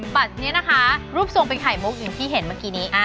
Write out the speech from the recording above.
บัตรนี้นะคะรูปทรงเป็นไข่มุกอย่างที่เห็นเมื่อกี้นี้